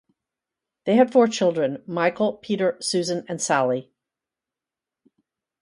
They had four children: Michael, Peter, Susan and Sally.